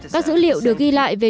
các dữ liệu được ghi lại về